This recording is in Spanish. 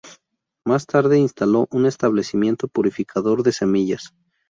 Más Tarde instalo un establecimiento purificador de semillas.